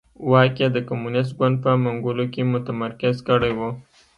واک یې د کمونېست ګوند په منګولو کې متمرکز کړی و.